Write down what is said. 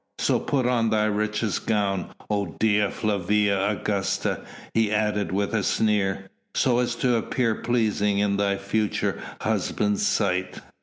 So put on thy richest gown, O Dea Flavia Augusta," he added with a sneer, "so as to appear pleasing in thy future husband's sight."